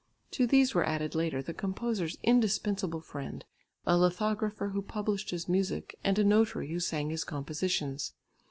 To these were added later, the composer's indispensable friend, a lithographer, who published his music, and a notary who sang his compositions.